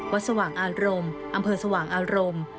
สว่างอารมณ์อำเภอสว่างอารมณ์